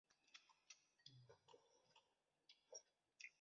斯拉布城是位于美国加利福尼亚州因皮里尔县的一个非建制地区。